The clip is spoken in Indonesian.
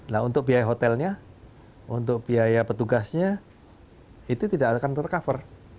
nah untuk biaya hotelnya untuk biaya petugasnya itu tidak akan tercover